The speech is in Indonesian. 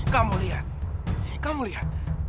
kamu lihat kamu lihat